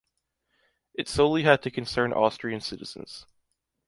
It solely had to concern Austrian citizens.